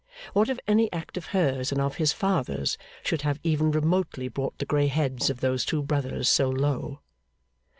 What if any act of hers and of his father's, should have even remotely brought the grey heads of those two brothers so low!